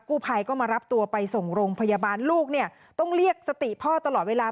กู้ภัยก็มารับตัวไปส่งโรงพยาบาลลูกเนี่ยต้องเรียกสติพ่อตลอดเวลา